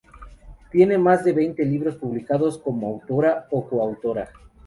Tiene más de veinte libros publicados como autora o coautora.